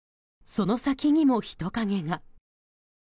その先にも人影が。